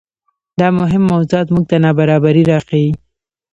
دا مهم موضوعات موږ ته نابرابرۍ راښيي.